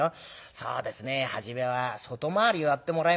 そうですね初めは外回りをやってもらいましょうか」。